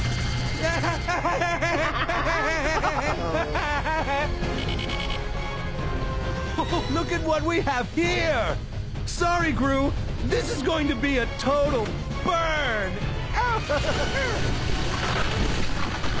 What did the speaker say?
ウハハハハ！